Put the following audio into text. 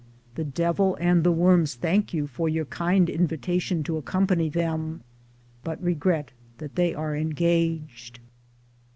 the devil and the worms thank you for your kind invitation to accompany them ; but regret that they are engaged.